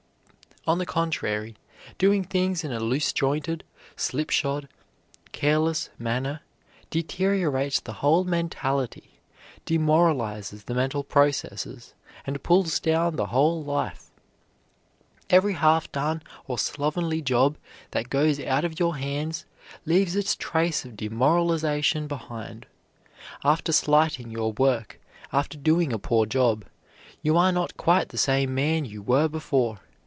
On the contrary, doing things in a loose jointed, slipshod, careless manner deteriorates the whole mentality, demoralizes the mental processes, and pulls down the whole life. Every half done or slovenly job that goes out of your hands leaves its trace of demoralization behind. After slighting your work, after doing a poor job, you are not quite the same man you were before.